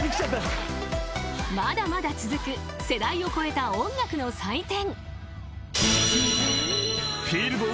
［まだまだ続く世代を超えた音楽の祭典］